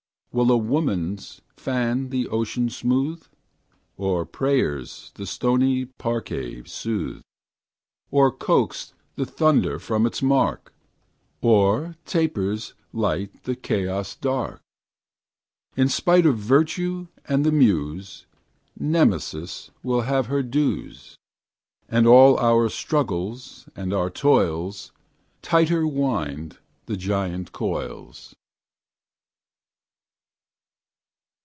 Will a woman's fan the ocean smooth? Or prayers the stony Parcae soothe, Or coax the thunder from its mark? Or tapers light the chaos dark? In spite of Virtue and the Muse, Nemesis will have her dues, And all our struggles and our toils Tighter wind the giant coils.